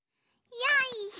よいしょ。